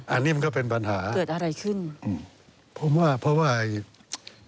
อันนี้มันก็เป็นปัญหานะครับผมว่าเกิดอะไรขึ้น